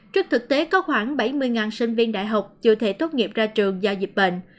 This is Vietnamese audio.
trước thực tế có khoảng bảy mươi sinh viên đại học chưa thể tốt nghiệp ra trường do dịch bệnh